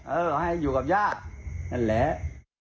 เออให้อยู่กับย่านั่นแหละ